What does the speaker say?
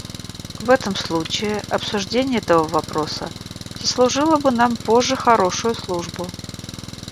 В этом случае обсуждение этого вопроса сослужило бы нам позже хорошую службу.